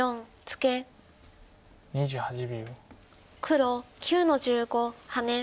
黒９の十五ハネ。